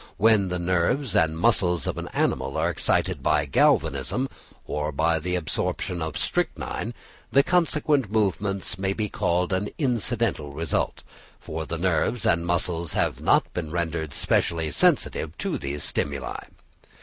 When the nerves and muscles of an animal are excited by galvanism or by the absorption of strychnine, the consequent movements may be called an incidental result, for the nerves and muscles have not been rendered specially sensitive to these stimuli.